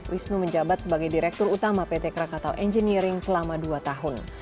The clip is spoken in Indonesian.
wisnu menjabat sebagai direktur utama pt krakatau engineering selama dua tahun